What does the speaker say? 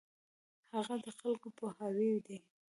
هغه د خلکو پوهاوی دی.